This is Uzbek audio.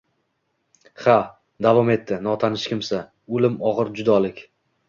Ha, – davom etdi notanish kimsa, – Oʻlim ogʻir judolik.